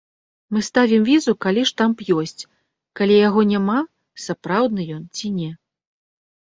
Мы ставім візу, калі штамп ёсць, калі яго няма, сапраўдны ён ці не.